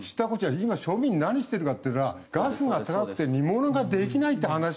今庶民何してるかっていったらガスが高くて煮物ができないって話してるわけだよ。